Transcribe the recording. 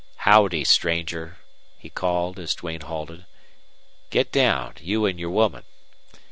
"Howdy, stranger," he called, as Duane halted. "Get down, you an' your woman.